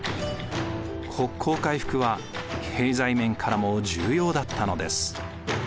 国交回復は経済面からも重要だったのです。